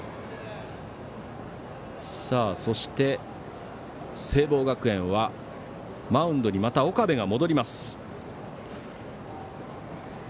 そして聖望学園は、マウンドにまた岡部が戻ります。